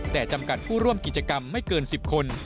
แต่จำกัดผู้ร่วมกิจกรรมไม่เกิน๑๐คน